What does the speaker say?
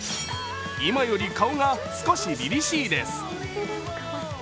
今より顔が少しりりしいです。